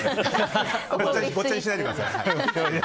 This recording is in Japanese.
ごっちゃにしないでください。